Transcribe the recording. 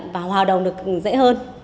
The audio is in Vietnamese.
và hoạt động được dễ hơn